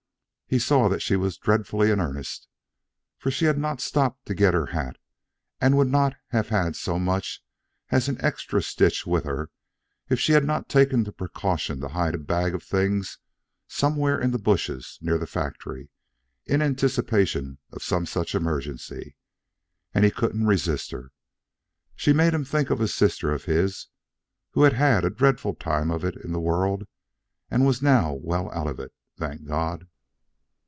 He saw that she was dreadfully in earnest, for she had not stopped to get her hat and would not have had so much as an extra stitch with her if she had not taken the precaution to hide a bag of things somewhere in the bushes near the factory, in anticipation of some such emergency. And he couldn't resist her. She made him think of a sister of his who had had a dreadful time of it in the world and was now well out of it, thank God!